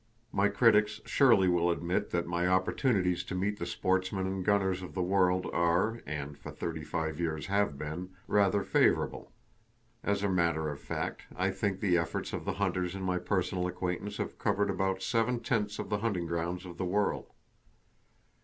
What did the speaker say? My critics surely will admit that my opportunities to meet the sportsmen and gunners of the world are, and for thirty five years have been, rather favorable. As a matter of fact, I think the efforts of the hunters of my personal acquaintance have covered about seven tenths of the hunting grounds of the world.